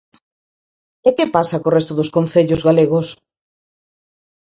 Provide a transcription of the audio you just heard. E que pasa co resto dos concellos galegos?